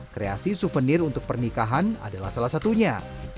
kreasi souvenir untuk pernikahan adalah salah satunya